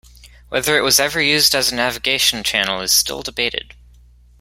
Whether it was ever used as a navigation channel is still debated.